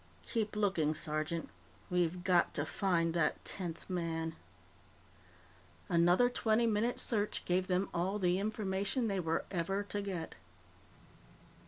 Keep looking, sergeant. We've got to find the tenth man." Another twenty minute search gave them all the information they were ever to get.